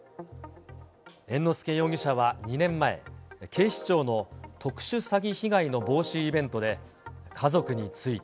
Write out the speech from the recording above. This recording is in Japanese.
猿之助容疑者は２年前、警視庁の特殊詐欺被害の防止イベントで、家族について。